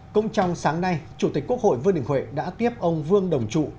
cũng trong sáng nay chủ tịch quốc hội vương đình huệ đã tiếp ông vương đồng trụ